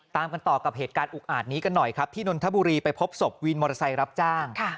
ตามกันต่อกับเหตุการณ์อุกอาจนี้กันหน่อยครับที่นนทบุรีไปพบศพวินมอเตอร์ไซค์รับจ้าง